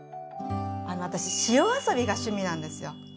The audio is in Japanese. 私塩遊びが趣味なんですよ。